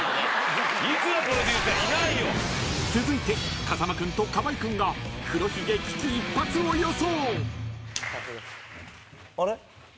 ［続いて風間君と河合君が黒ひげ危機一発を予想］